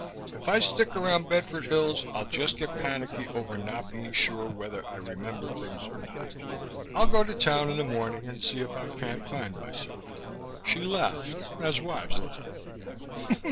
If I stick around Bedford Hills I'll just get panicky over not being sure whether I remember things or not. I'll go to town in the morning and see if I can't find myself." She laughed, as wives laugh.